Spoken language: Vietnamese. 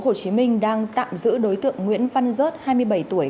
tp hcm đang tạm giữ đối tượng nguyễn văn giớt hai mươi bảy tuổi